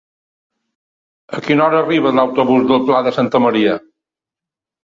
A quina hora arriba l'autobús del Pla de Santa Maria?